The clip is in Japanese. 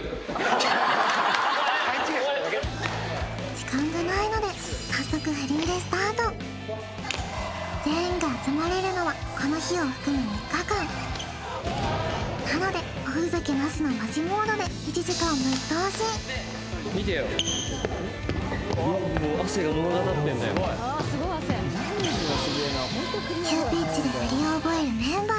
時間がないので早速振り入れスタート全員が集まれるのはこの日を含め３日間なのでおふざけなしのマジモードで１時間ぶっ通し見てよ急ピッチで振りを覚えるメンバー